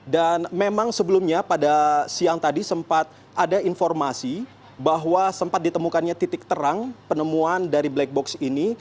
dan memang sebelumnya pada siang tadi sempat ada informasi bahwa sempat ditemukannya titik terang penemuan dari black box ini